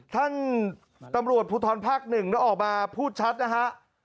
ท่านตำรวจภูทรภาค๑แล้วออกมาพูดชัดนะฮะ